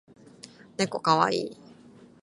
ねこかわいい